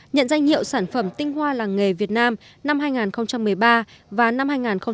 nhận danh hiệu sản phẩm tinh hoa làng nghề việt nam năm hai nghìn một mươi ba và năm hai nghìn một mươi tám